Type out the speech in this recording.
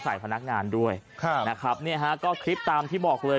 พนักงานด้วยค่ะนะครับเนี่ยฮะก็คลิปตามที่บอกเลย